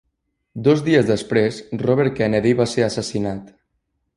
Dos dies després, Robert Kennedy va ser assassinat.